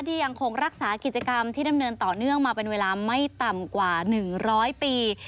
ยังคงรักษากิจกรรมที่ดำเนินต่อเนื่องมาเป็นเวลาไม่ต่ำกว่า๑๐๐ปี